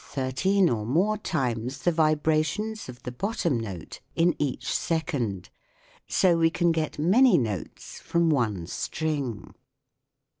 up to 12, 13, or more times the vibrations of the bottom note in each second. So we can get many notes from one string.